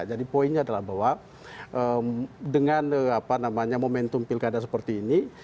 jadi poinnya adalah bahwa dengan momentum pilkada seperti ini